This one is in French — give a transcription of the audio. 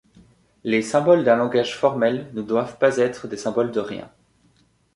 Les symboles d'un langage formel ne doivent pas être des symboles de rien.